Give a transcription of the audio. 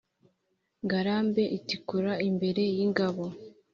Ngarambe itikura imbere y' ingabo